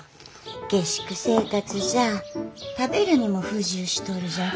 下宿生活じゃあ食べるにも不自由しとるじゃろ。